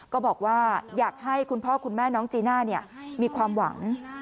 ก็บอกว่าอยากให้คุณพ่อคุณแม่น้องจีน่ามีความหวัง